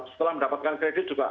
setelah mendapatkan kredit juga